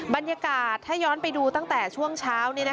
บรรยากาศถ้าย้อนไปดูตั้งแต่ช่วงเช้า